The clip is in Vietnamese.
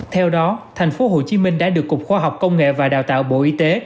theo đó thành phố hồ chí minh đã được cục khoa học công nghệ và đào tạo bộ y tế